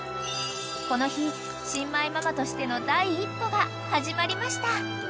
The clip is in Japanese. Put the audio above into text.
［この日新米ママとしての第一歩が始まりました］